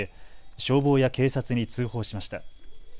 消防や警察に通報しました。